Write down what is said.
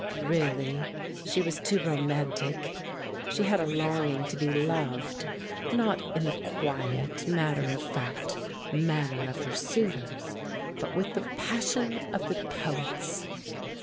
Really she was too romantic. She had a longing to be loved, not in the quiet, matter of fact manner of her suitors, but with the passion of the poets.